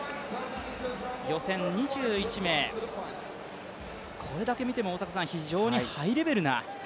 予選２１名、これだけ見ても非常にハイレベルな。